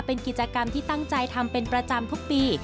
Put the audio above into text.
เป็นกิจกรรมที่ตั้งใจทำเป็นประจำทุกปี